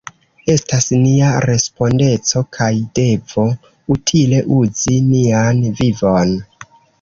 Estas nia respondeco kaj devo utile uzi nian vivon.